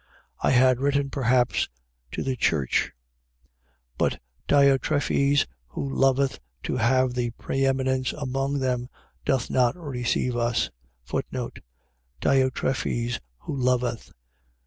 1:9. I had written perhaps to the church: but Diotrephes, who loveth to have the preeminence among them, doth not receive us. Diotrephes who loveth.